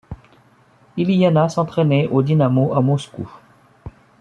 Ilyina s'entraînait au Dynamo à Moscou.